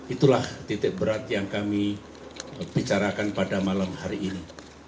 itulah titik berat yang kami bicarakan pada malam hari ini